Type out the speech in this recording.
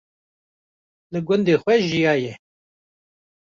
li gundê xwe jiyaye